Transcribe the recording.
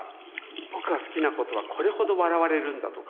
僕が好きなことはこれほど笑われるんだとか。